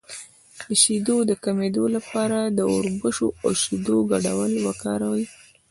د شیدو د کمیدو لپاره د وربشو او شیدو ګډول وکاروئ